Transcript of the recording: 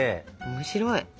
面白い！